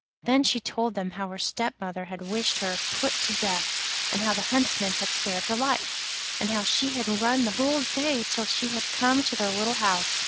Then she told them how her stepmother had wished her put to death, and how the Huntsman had spared her life, and how she had run the whole day till she had come to their little house.